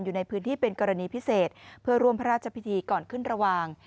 อยู่ในพื้นที่เป็นกรณีพิเศษเพื่อร่วมพระราชพิธีก่อนขึ้นระหว่าง